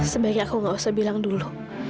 sebaiknya aku gak usah bilang dulu